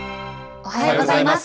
おはようございます。